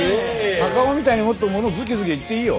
高尾みたいにもっとものズケズケ言っていいよ。